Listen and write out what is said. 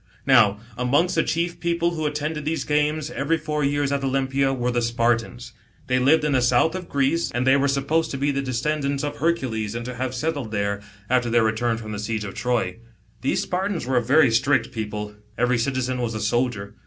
Now, amongst the cfcief people who attended these games, every four years at Olympia, were the Spartans. They lived in the south of Greece, and they were supposed to be the descendants of Hercules, and to have settled there, after their return from the siege of Troy. These Spartans were a very strict people, every citizen was a soldier.